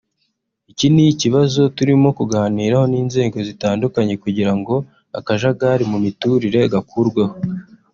iki ni ikibazo turimo kuganiraho n’inzego zitandukanye kugira ngo akajagari mu miturire gakurweho